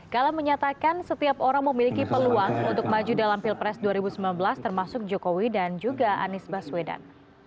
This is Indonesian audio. kala menyatakan setiap orang memiliki peluang untuk maju dalam pilpres dua ribu sembilan belas termasuk jokowi dan juga anies baswedan